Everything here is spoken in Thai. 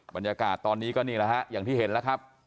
บรรยากาศตอนนี้ก็นี่แหละฮะอย่างที่เห็นแล้วครับ